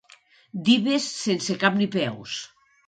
Dives sense cap ni peus.